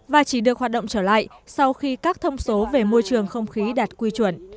và chỉ được hoạt động trở lại sau khi các thông số về môi trường không khí đạt quy chuẩn